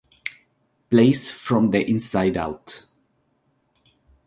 Plays from the inside out.